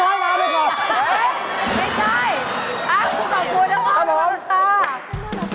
เฮ้ยไม่ใช่อ้าวขอบคุณนะครับขอบคุณค่ะ